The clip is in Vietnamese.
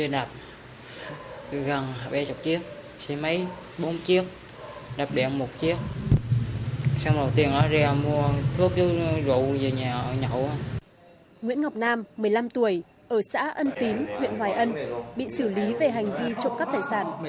nguyễn ngọc nam một mươi năm tuổi ở xã ân tín huyện hoài ân bị xử lý về hành vi trộm cắp tài sản